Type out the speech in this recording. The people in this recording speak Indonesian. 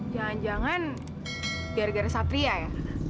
jangan jangan gara gara satria ya